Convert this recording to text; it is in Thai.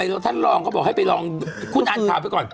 ว่าทำไมท่านรองก็บอกให้ไปลองคุณอัลภายไปก่อน